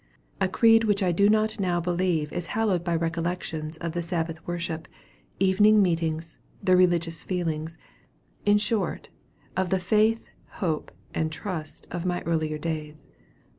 A creed which I do not now believe is hallowed by recollections of the Sabbath worship, the evening meetings, the religious feelings in short, of the faith, hope, and trust of my earlier days.